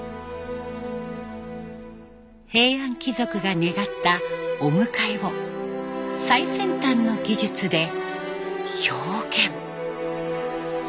平安貴族が願った「お迎え」を最先端の技術で表現。